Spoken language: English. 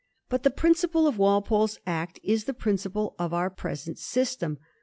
But the principle of Wal pole's Act is the principle of our present system.